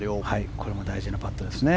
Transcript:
これも大事なパットですね。